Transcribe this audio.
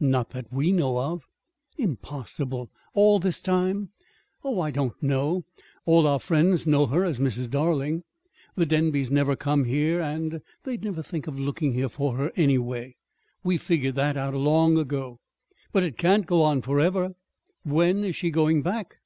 "Not that we know of." "Impossible all this time!" "Oh, I don't know. All our friends know her as 'Mrs. Darling.' The Denbys never come here, and they'd never think of looking here for her, anyway. We figured that out long ago." "But it can't go on forever! When is she going back?"